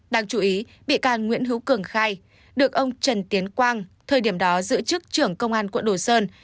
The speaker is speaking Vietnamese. đáng chú ý bị can nguyễn hữu cường khai được ông trần tiến quang thời điểm đó giữ chức trưởng công an quận đồ sơn